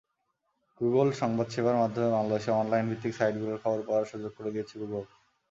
Google সংবাদসেবার মাধ্যমে বাংলাদেশের অনলাইনভিত্তিক সাইটগুলোর খবর পড়ার সুযোগ করে দিচ্ছে গুগল।